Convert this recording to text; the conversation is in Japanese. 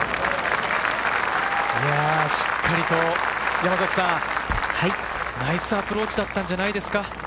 しっかりとナイスアプローチだったんじゃないですか？